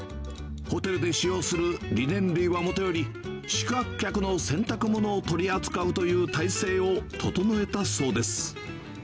ホテルで使用するリネン類はもとより、宿泊客の洗濯物を取り扱うという体制を整えたそうです。